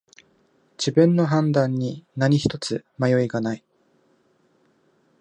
自分の判断に何ひとつ迷いがない